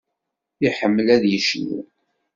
Iḥemmel ad yecnu.